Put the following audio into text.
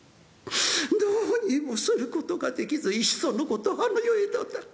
どうにもすることができずいっそのことあの世へ」。